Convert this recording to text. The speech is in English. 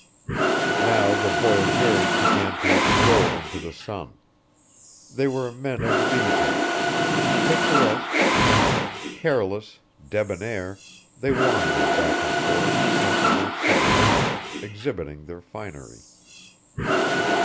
Now the voyageurs began to stroll into the sun. They were men of leisure. Picturesque, handsome, careless, debonair, they wandered back and forth, smoking their cigarettes, exhibiting their finery.